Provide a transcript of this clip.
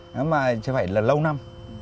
nhưng mà chứ không phải là lâu năm